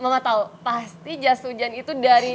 mama tau pasti jas ujan itu dari